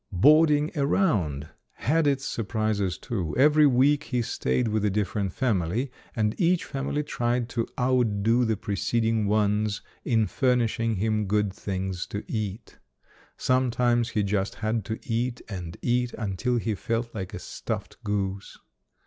"Boarding around" had its surprises, too. Every week he stayed with a different family, and each family tried to outdo the preceding ones in furnishing him good things to eat. Sometimes he just had to eat and eat until he felt like a stuffed goose.